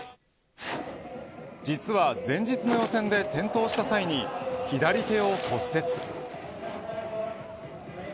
実は前日の予選で、転倒した際に左手を骨折。